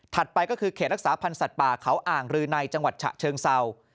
ไปก็คือเขตรักษาพันธ์สัตว์ป่าเขาอ่างรือในจังหวัดฉะเชิงเศร้า